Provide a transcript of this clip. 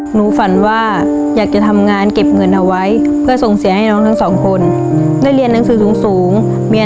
หนูฝันว่าอยากจะทำงานหาเงินให้ได้เยอะเพื่อจะมาเลี้ยงดูยายให้ได้อยู่อย่างสุขสบายค่ะ